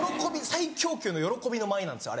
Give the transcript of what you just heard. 最強級の喜びの舞なんですよ